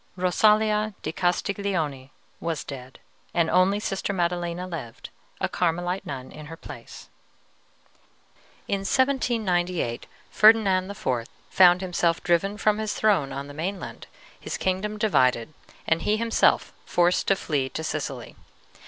Rosalia di Castiglione was dead, and only Sister Maddelena lived, a Carmelite nun, in her place. "In 1798 Ferdinand IV. found himself driven from his throne on the mainland, his kingdom divided, and he himself forced to flee to Sicily.